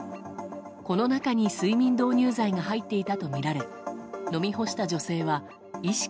この中に睡眠導入剤入りが入っていたとみられ飲み干した女性は意識